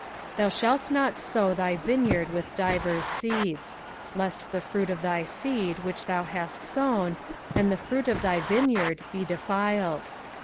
05:022:009 Thou shalt not sow thy vineyard with divers seeds: lest the fruit of thy seed which thou hast sown, and the fruit of thy vineyard, be defiled.